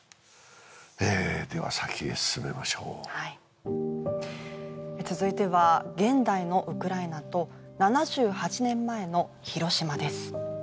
ええでは先へ進めましょうはい続いては現代のウクライナと７８年前の広島です